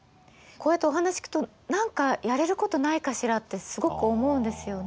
こうやってお話聞くと何かやれることないかしらってすごく思うんですよね。